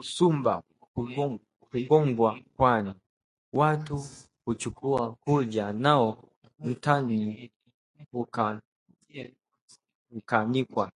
Usumba hugongwa pwani, watu huchukua, kuja nao mtaani ukaanikwa